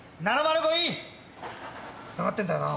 つながってんだよな？